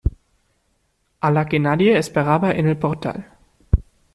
a la que nadie esperaba en el portal.